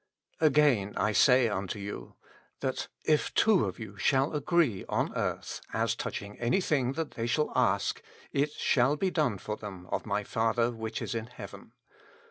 Again I say unto yoic, That if two of you shall agree on earth as touching any thing that they shall ask, IT SHALL BE DONE/i'r thetn of my Father which is in heaven.